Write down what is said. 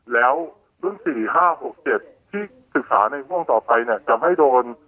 แล้วรุ่น๔๕๖๗ที่ศึกษาในห่วงต่อไปเนี่ยจะไม่โดน